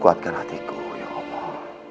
kuatkan hatiku ya allah